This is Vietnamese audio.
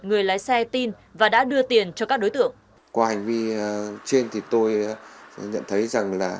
người lái xe tin và đã đưa tiền cho các đối tượng